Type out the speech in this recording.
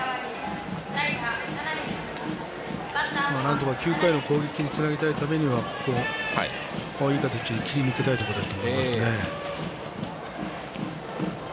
なんとか９回の攻撃につなげるためにはここをいい形で切り替えたいところだと思います。